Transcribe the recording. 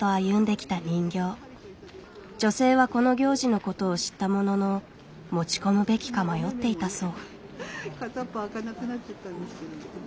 女性はこの行事のことを知ったものの持ち込むべきか迷っていたそう。